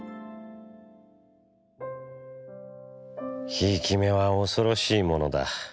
「贔屓目は恐ろしいものだ。